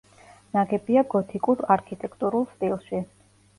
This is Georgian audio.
ნაგებია გოთიკურ არქიტექტურულ სტილში.